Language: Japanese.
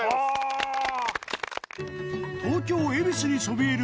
稘豕恵比寿にそびえる